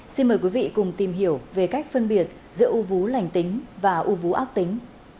xin mời quý vị cùng tìm hiểu về cách phân biệt giữa u vú lành tính và u vú ác tính